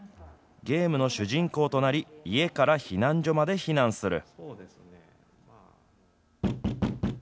ゲームの主人公となり、家から避難所まで避難する。